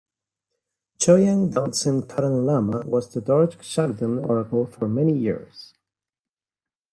Choyang Duldzin Kuten Lama was the Dorje Shugden oracle for many years.